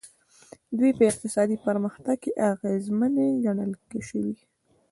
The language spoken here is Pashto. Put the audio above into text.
دوی په اقتصادي پرمختګ کې اغېزمنې ګڼل شوي.